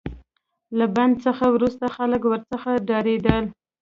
له بند څخه وروسته خلک ورڅخه ډاریدل.